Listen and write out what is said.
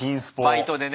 バイトでね。